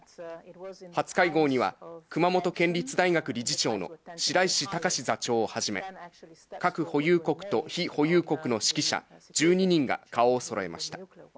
初会合には熊本県立大学理事長の白石隆座長をはじめ、核保有国と非保有国の識者１２人が顔をそろえました。